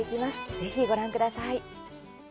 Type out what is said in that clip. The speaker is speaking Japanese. ぜひ、ご覧ください。